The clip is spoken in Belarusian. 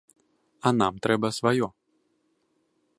А нам трэба сваё.